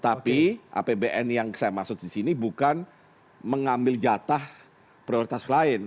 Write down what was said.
tapi apbn yang saya maksud di sini bukan mengambil jatah prioritas lain